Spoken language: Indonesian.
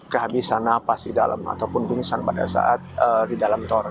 kehabisan nafas di dalam ataupun pingsan pada saat di dalam tora